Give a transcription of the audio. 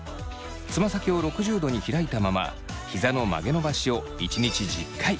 つま先を６０度に開いたままひざの曲げ伸ばしを１日１０回。